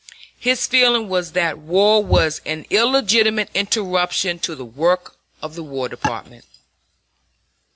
His feeling was that war was an illegitimate interruption to the work of the War Department.